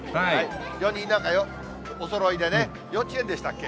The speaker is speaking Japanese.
４人なんかおそろいでね、幼稚園でしたっけ？